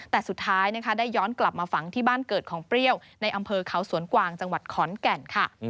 แต่สุดท้ายนะคะได้ย้อนกลับมาฝังที่บ้านเกิดของเปรี้ยวในอำเภอเขาสวนกวางจังหวัดขอนแก่นค่ะ